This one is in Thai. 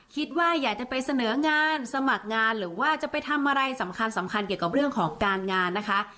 คิดว่าอยากจะไปเสนองานสมัครงานหรือว่าจะไปทำอะไรสำคัญสำคัญเกี่ยวกับเรื่องของการงานนะคะ